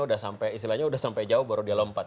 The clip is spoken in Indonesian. udah sampai istilahnya udah sampai jauh baru dia lompat